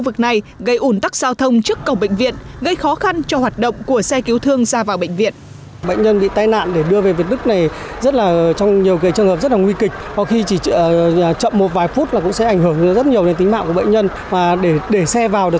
vực này gây ủn tắc giao thông trước cổng bệnh viện gây khó khăn cho hoạt động của xe cứu thương ra vào bệnh viện